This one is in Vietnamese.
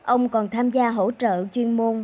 ông còn tham gia hỗ trợ chuyên môn